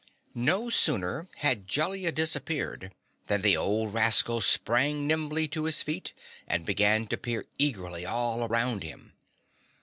No sooner had Jellia disappeared, than the old rascal sprang nimbly to his feet and began to peer eagerly all around him.